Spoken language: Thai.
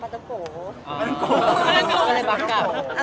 บัตรโกอะไรบัตรโก